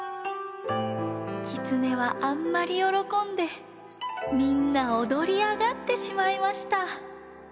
きつねはあんまりよろこんでみんなおどりあがってしまいました。